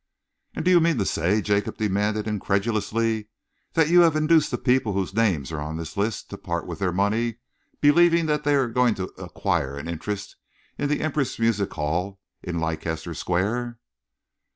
'" "And do you mean to say," Jacob demanded incredulously, "that you have induced the people whose names are on that list to part with their money, believing they are going to acquire an interest in the Empress Music Hall in Leicester Square?"